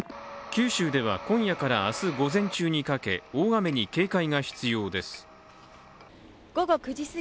九州では今夜から明日午前中にかけ大雨に警戒が必要です。